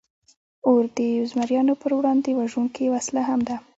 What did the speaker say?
اور د زمریانو پر وړاندې وژونکې وسله هم ده.